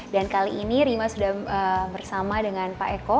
dan kali ini rima sudah bersama dengan pak eko